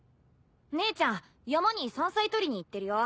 姉ちゃん山に山菜採りに行ってるよ。